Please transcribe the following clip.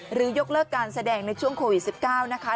ยกเลิกการแสดงในช่วงโควิด๑๙นะคะ